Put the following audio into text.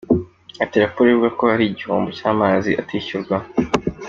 Ati “Raporo ivuga ko hari igihombo cy’amazi atishyuzwa.